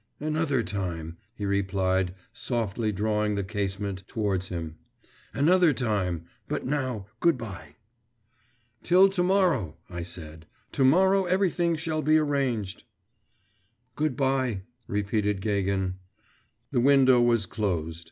'Another time,' he replied, softly drawing the casement towards him. 'Another time; but now good bye.' 'Till to morrow,' I said. 'To morrow everything shall be arranged.' 'Good bye;' repeated Gagin. The window was closed.